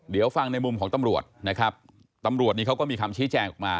เดี๋ยวฟังในมุมของตำรวจนะครับตำรวจนี้เขาก็มีคำชี้แจงออกมา